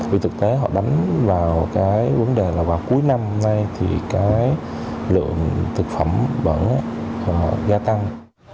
vì thực tế họ đánh vào cái vấn đề là vào cuối năm nay thì cái lượng thực phẩm vẫn gia tăng